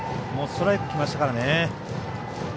ストライクきましたから。